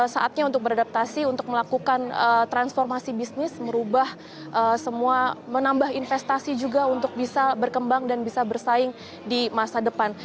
saatnya untuk beradaptasi untuk melakukan transformasi bisnis merubah semua menambah investasi juga untuk bisa berkembang dan bisa bersaing di masa depan